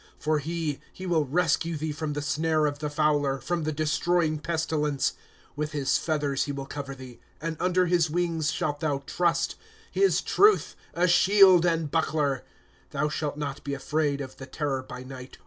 3 For he, he will rescue thee from the snare of the fowler, From the destroying pestilence. * With his feathers he will cover thee, And under his wings shalt thou trust ; His truth, a shield and huckler !» Thou shalt not be afraid of the terror by night.